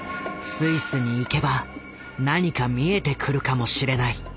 スイスに行けば何か見えてくるかもしれない。